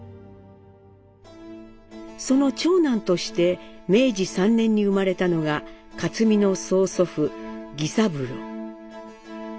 その長男として明治３年に生まれたのが克実の曽祖父儀三郎。